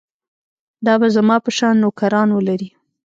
دا به زما په شان نوکران ولري.